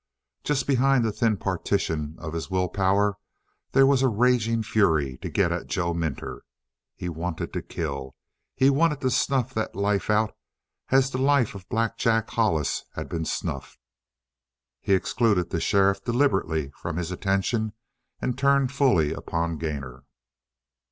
Just behind the thin partition of his will power there was a raging fury to get at Joe Minter. He wanted to kill. He wanted to snuff that life out as the life of Black Jack Hollis had been snuffed. He excluded the sheriff deliberately from his attention and turned fully upon Gainor.